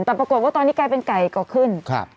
ตอนประกวดว่าตอนนี้ไก่เป็นไก่ก็ขึ้น